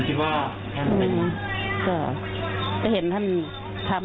ตามมาจากว่ามีเห็นจริงหรือว่า